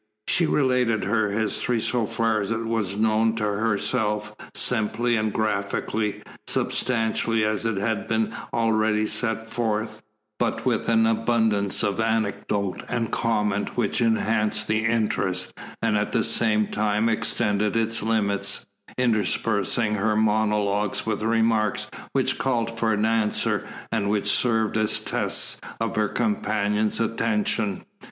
She related her history, so far as it was known to herself, simply and graphically, substantially as it has been already set forth, but with an abundance of anecdote and comment which enhanced the interest and at the same time extended its limits, interspersing her monologues with remarks which called for an answer and which served as tests of her companion's attention.